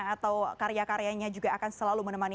atau karya karyanya juga akan selalu menemani